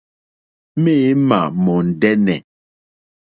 Méǃémà mòndɛ́nɛ̀.